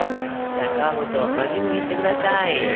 じゃあ皮ごと輪切りにして下さい。